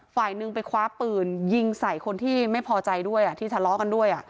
ฝ่ายหนึ่งไปคว้าปืนยิงใส่คนที่ไม่พอใจด้วยที่ทะเลาะกันด้วย